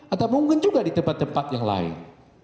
atau mungkin juga di tempat tempat yang lain